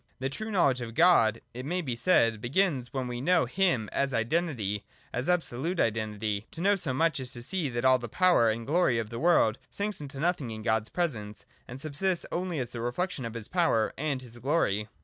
The true knowledge of God, it may be said, begins when we know him as identity, — as absolute identity. To know so much is to see that all the power and glory of the world sinks into nothing in God's presence, and subsists only as the reflection of His power and His 115, 1 16.] IDENTITY AND DIFFERENCE. 2lS glory.